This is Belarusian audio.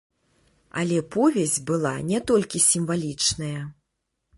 Але повязь была не толькі сімвалічная.